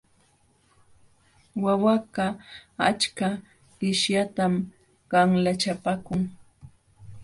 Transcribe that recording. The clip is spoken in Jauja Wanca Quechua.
Wawakaq achka qishatam qanlachapaakun.